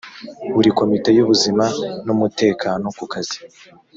buri komite y ubuzima n umutekano ku kazi